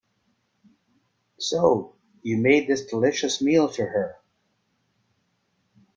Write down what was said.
So, you made this delicious meal for her?